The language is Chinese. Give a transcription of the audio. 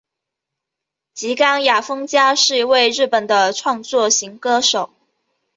吉冈亚衣加是一位日本的创作型歌手。